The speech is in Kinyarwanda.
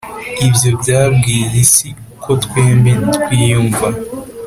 ibyo byabwiye isi uko twembi twiyumva